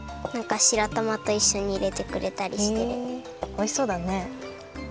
おいしそうだね。